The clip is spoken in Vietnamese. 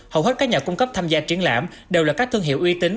hầu hết các nhà cung cấp tham gia triển lãm đều là các thương hiệu uy tín